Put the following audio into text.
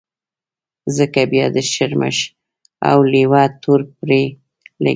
ځکه بيا د شرمښ او لېوه تور پرې لګېږي.